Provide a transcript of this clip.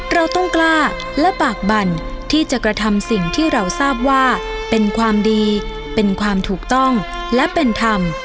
เราต้องกล้าและปากบั่นที่จะกระทำสิ่งที่เราทราบว่าเป็นความดีเป็นความถูกต้องและเป็นธรรม